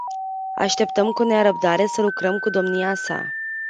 Așteptăm cu nerăbdare să lucrăm cu domnia sa.